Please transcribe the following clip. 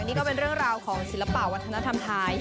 นี่ก็เป็นเรื่องราวของศิลปะวัฒนธรรมไทย